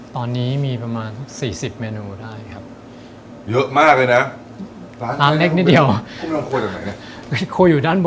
ตอนนี้มีประมาณ๔๐เมนูได้ครับ